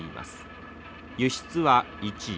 輸出は１位。